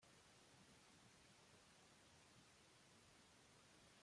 另外该报还设有地方新闻专版。